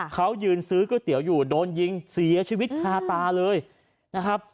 เขายืนซื้อก๋วยเตี๋ยวอยู่โดนยิงเสียชีวิตคาตาเลยนะครับ